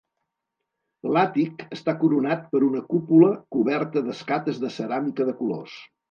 L'àtic està coronat per una cúpula coberta d'escates de ceràmica de colors.